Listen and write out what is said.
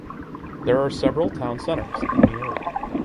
There are several town centres in the area.